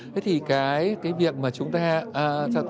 thế thì cái việc mà chúng ta